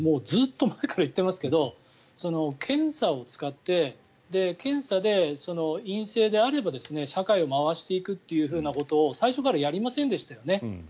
ずっと前から言ってますけど検査を使って検査で陰性であれば社会を回していくことを最初からやりませんでしたよね。